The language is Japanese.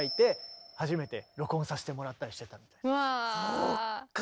そっか！